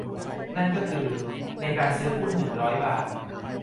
นั่นก็คือ ในการซื้อหุ้น หนึ่งร้อย บาท